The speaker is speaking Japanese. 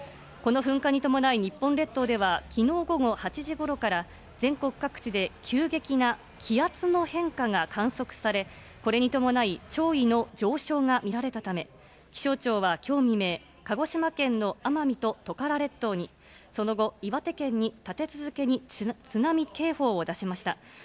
この噴火に伴い、日本列島ではきのう午後８時ごろから、全国各地で急激な気圧の変化が観測され、これに伴い、潮位の上昇が見られたため、気象庁はきょう未明、鹿児島県の奄美とトカラ列島に、その後、岩手県に立て続けに津波警報を出しました。